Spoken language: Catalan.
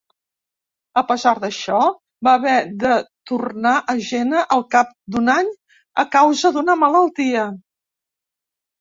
A pesar d'això, va haver de tornar a Jena al cap d'un any a causa d'una malaltia.